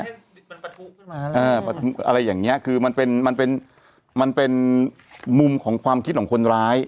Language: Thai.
อะไรอย่างเงี้ยคือมันเป็นมันเป็นมุมของความคิดของคนร้าย